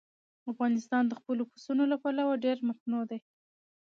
افغانستان د خپلو پسونو له پلوه ډېر متنوع دی.